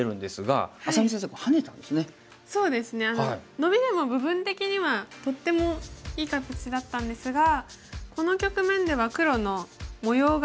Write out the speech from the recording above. ノビでも部分的にはとってもいい形だったんですがこの局面では黒の模様が。